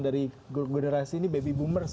dari generasi ini baby boomers